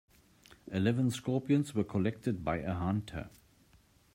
Eleven scorpions were collected by a hunter.